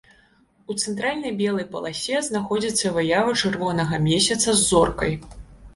У цэнтральнай белай паласе знаходзіцца выява чырвонага месяца з зоркай.